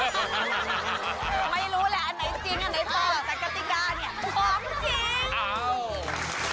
ไม่รู้แหละอันไหนจริงอันไหนเธอแต่กติกาเนี่ยของจริงอ้าว